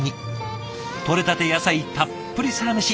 とれたて野菜たっぷりサラメシ